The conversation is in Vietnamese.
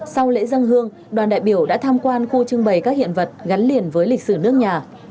sau lễ dân hương đoàn đại biểu đã tham quan khu trưng bày các hiện vật gắn liền với lịch sử nước nhà